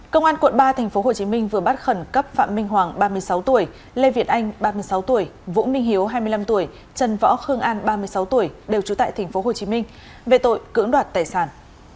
công an quận ba tp hcm vừa bắt khẩn cấp phạm minh hoàng ba mươi sáu tuổi lê việt anh ba mươi sáu tuổi vũ minh hiếu hai mươi năm tuổi trần võ khương an ba mươi sáu tuổi đều trú tại tp hcm về tội cưỡng đoạt tài sản